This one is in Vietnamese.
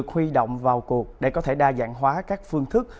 công nghệ được huy động vào cuộc để có thể đa dạng hóa các phương thức